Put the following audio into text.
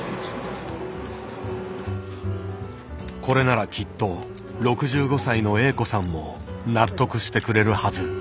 これならきっと６５歳のＡ子さんも納得してくれるはず。